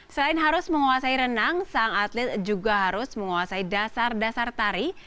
selain harus menguasai renang sang atlet juga harus menguasai dasar dasar tari